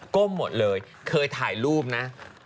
ก้มหมดเลยเคยถ่ายรูปนะ